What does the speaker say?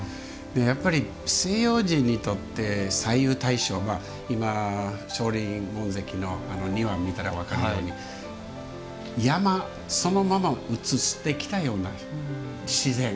やっぱり、西洋人にとって左右対称、今、青蓮院門跡の庭を見たら分かるように山そのままを移してきたような自然。